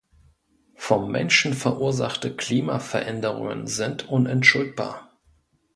Vom Menschen verursachte Klimaveränderungen sind unentschuldbar.